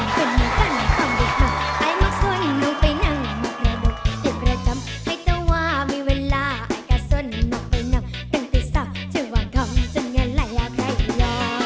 ตั้งแต่เซาจะหว่างคำจนกันไหล่อาคัยหล่อ